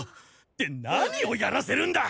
って何をやらせるんだ！